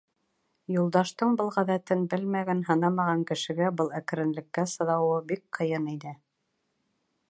Юлдаштың был ғәҙәтен белмәгән, һынамаған кешегә был әкренлеккә сыҙауы бик ҡыйын ине.